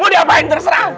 mau diapain terserah